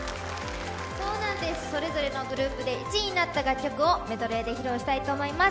そうなんです、それぞれのグループで１位になった楽曲をメドレーで披露したいと思います。